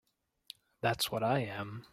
That's what I am.